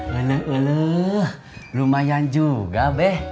wih lumayan juga beh